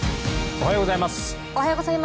おはようございます。